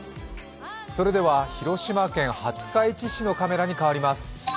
それでは広島県廿日市市のカメラに変わります。